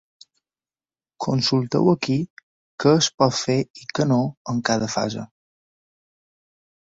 Consulteu ací què es pot fer i què no en cada fase.